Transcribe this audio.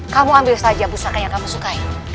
kamu ambil saja pusaka yang kamu sukai